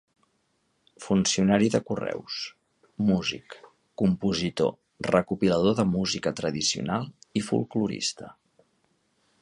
Funcionari de Correus, músic, compositor, recopilador de Música tradicional i folklorista.